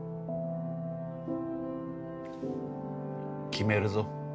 決めるぞ。